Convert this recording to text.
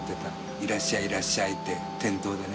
いらっしゃいいらっしゃい」って店頭でね。